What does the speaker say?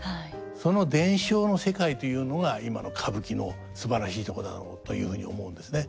その伝承の世界というのが今の歌舞伎のすばらしいとこだろうというふうに思うんですね。